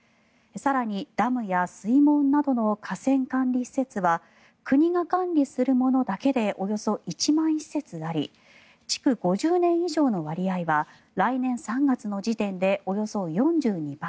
更にダムや水門などの河川管理施設は国が管理するものだけでおよそ１万施設あり築５０年以上の割合は来年３月の時点でおよそ４２％。